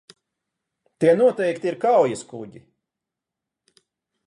Tie noteikti ir kaujaskuģi.